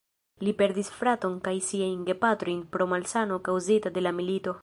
Li perdis fraton kaj siajn gepatrojn pro malsano kaŭzita de la milito.